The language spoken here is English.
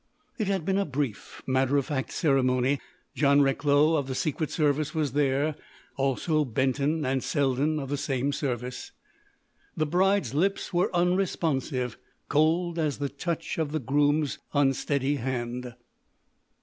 It had been a brief, matter of fact ceremony. John Recklow, of the Secret Service, was there; also Benton and Selden of the same service. The bride's lips were unresponsive; cold as the touch of the groom's unsteady hand.